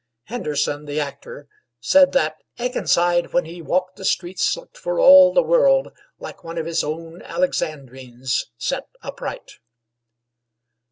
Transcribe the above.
Henderson, the actor, said that "Akenside, when he walked the streets, looked for all the world like one of his own Alexandrines set upright."